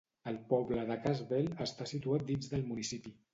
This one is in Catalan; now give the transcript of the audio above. El poble de Cassville està situat dins del municipi.